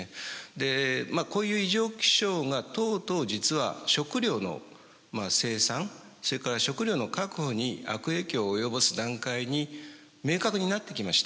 でこういう異常気象がとうとう実は食料の生産それから食料の確保に悪影響を及ぼす段階に明確になってきました。